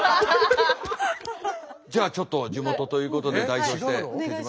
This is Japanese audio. じゃあちょっと地元ということで代表して。